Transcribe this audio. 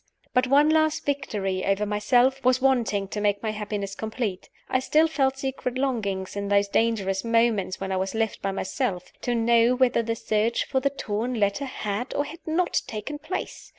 But one last victory over myself was wanting to make my happiness complete. I still felt secret longings, in those dangerous moments when I was left by myself, to know whether the search for the torn letter had or had not taken place.